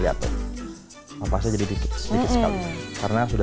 itu caranya ada di divya cobain ya ini